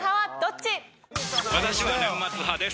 私は年末派です。